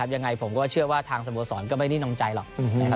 ยังไงผมก็เชื่อว่าทางสมบัติศาสตร์ก็ไม่ได้น้องใจหรอก